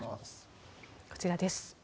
こちらです。